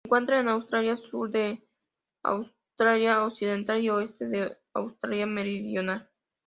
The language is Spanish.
Se encuentra en Australia: sur de Australia Occidental y oeste de Australia Meridional.